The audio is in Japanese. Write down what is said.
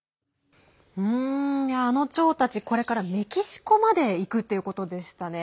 あのチョウたちこれからメキシコまで行くってことでしたね。